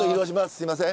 すいません。